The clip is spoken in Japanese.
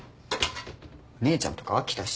姉ちゃんとか飽きたし。